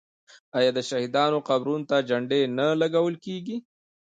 آیا د شهیدانو قبرونو ته جنډې نه لګول کیږي؟